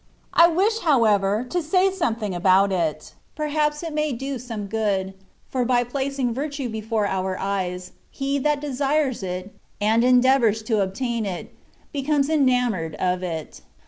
I wish, however, to say something about it ; perhaps it may do some good, for by placing virtue before our eyes, he that desires it, and endeavours to obtain it, becomes enamoured of it.